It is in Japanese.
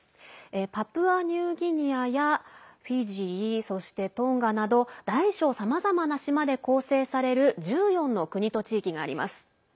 パプアニューギニアやフィジー、そしてトンガなど大小さまざまな島で構成される１４の国と地域があります。